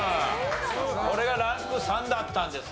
これがランク３だったんですね。